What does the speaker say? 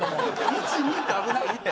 １２って危ないって。